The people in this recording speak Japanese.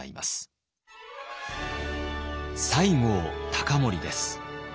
西郷隆盛です。